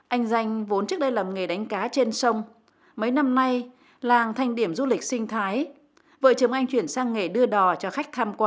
anh danh vốn trước đây làm nghề đánh cá trên sông mấy năm nay làng thành điểm du lịch sinh thái vợ chồng anh chuyển sang nghề đưa đò cho khách tham quan